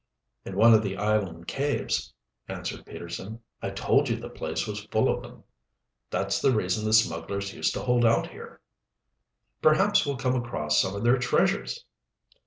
"In one of the island caves," answered Peterson. "I told you the place was full of them. That's the reason the smugglers used to hold out here." "Perhaps we'll come across some of their treasures."